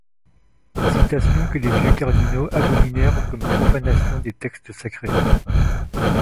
Citation que les vieulx cardinaux abominèrent comme profanation des textes sacrez.